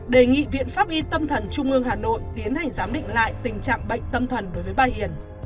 đề nghị viện pháp y tâm thần trung ương hà nội tiến hành giám định lại tình trạng bệnh tâm thần đối với bà hiền